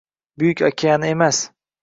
Buyuk okeani emas